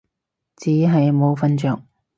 只係冇瞓着